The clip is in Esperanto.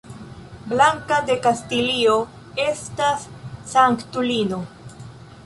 Blanka de Kastilio estas sanktulino.